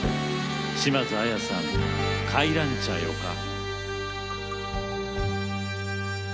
島津亜矢さん「帰らんちゃよか」。